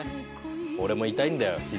オレも痛いんだよ